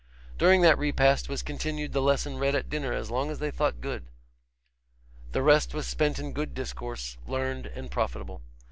During that repast was continued the lesson read at dinner as long as they thought good; the rest was spent in good discourse, learned and profitable.